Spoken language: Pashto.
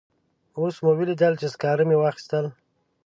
اوس مو ولیدل چې سکاره مې واخیستل.